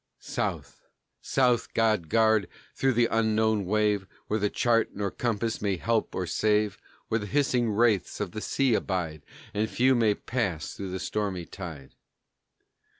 South! South! God guard through the unknown wave, Where chart nor compass may help or save, Where the hissing wraiths of the sea abide And few may pass through the stormy tide.